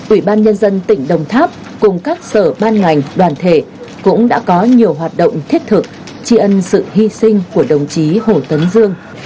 ủy ban nhân dân tỉnh đồng tháp cùng các sở ban ngành đoàn thể cũng đã có nhiều hoạt động thiết thực tri ân sự hy sinh của đồng chí hồ tấn dương